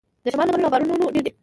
د شمال ځنګلونه او بارانونه ډیر دي.